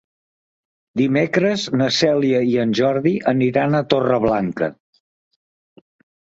Dimecres na Cèlia i en Jordi aniran a Torreblanca.